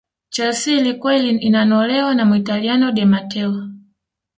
chelsea ilikuwa inanolewa na Muitaliano di mateo